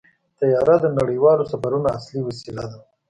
طیاره د نړیوالو سفرونو اصلي وسیله ده.